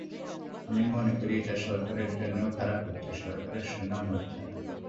আমি মনে করি এটা সরকারের জন্যও খারাপ হচ্ছে, সরকারের সুনাম হচ্ছে না।